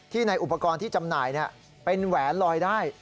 ในอุปกรณ์ที่จำหน่ายเป็นแหวนลอยได้